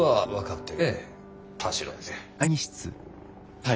はい。